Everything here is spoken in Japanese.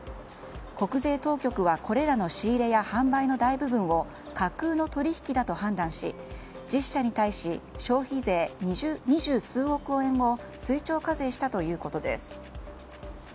国税当局はこれらの仕入れや販売の大部分を架空の取引だと判断し１０社に対し消費税、二十数億円を追徴課税したということです。